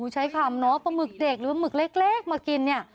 ใช้คำปลาหมึกเด็กหรือปลาหมึกเล็กมากิน